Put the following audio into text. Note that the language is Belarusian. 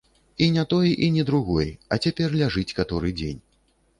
І ні той, і ні другой, а цяпер ляжыць каторы дзень.